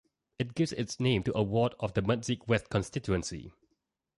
It gives its name to a ward of the Mudzi West constituency.